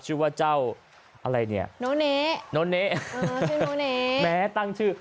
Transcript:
ชื่อว่าเจ้าอะไรเนี่ยโนเนโนเนชื่อโนเนแม้ตั้งชื่อ